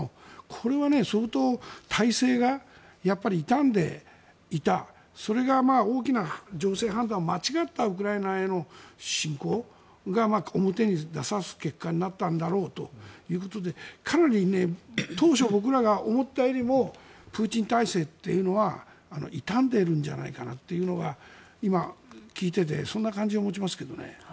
これは相当、体制が痛んでいたそれが大きな情勢判断を間違ったウクライナへの侵攻が表に出させる結果になったんだろうということでかなり当初、僕らが思ったよりもプーチン体制っていうのは傷んでいるんじゃないかなというのが今、聞いていてそんな感じを持ちますけどね。